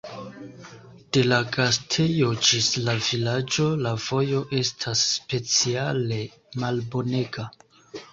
De la gastejo ĝis la vilaĝo, la vojo estas speciale malbonega.